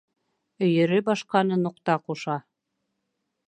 Өйөрө башҡаны нуҡта ҡуша.